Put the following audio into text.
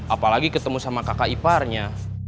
apalagi ketemu sama kakak iparnya